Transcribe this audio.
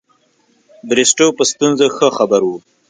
بریسټو په ستونزو ښه خبر وو.